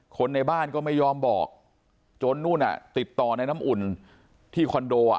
คนในบ้านก็ไม่ยอมบอกจนนู่นติดต่อในน้ำอุ่นที่คอนโดอ่ะ